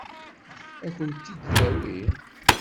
Ad kent-t-id-tawi?